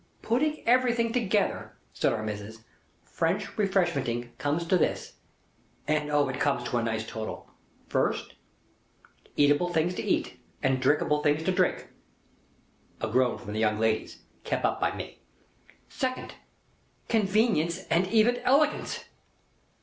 "Putting everything together," said Our Missis, "French Refreshmenting comes to this, and O it comes to a nice total! First: eatable things to eat, and drinkable things to drink." A groan from the young ladies, kep' up by me. "Second: convenience, and even elegance."